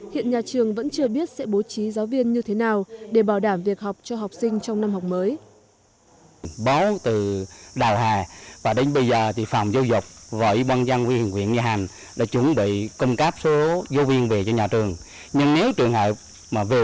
hiện nhà trường vẫn chưa biết sẽ bố trí giáo viên như thế nào để bảo đảm việc học cho học sinh trong năm học mới